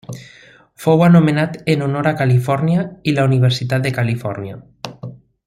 Fou anomenat en honor a Califòrnia i la Universitat de Califòrnia.